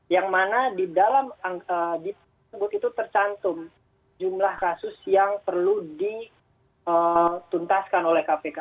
yang mana di dalam dipa tercantum jumlah kasus yang perlu dituntaskan oleh kemenku